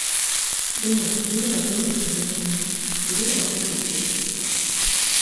でも、今はどの君もいない。いるのは僕一人だ。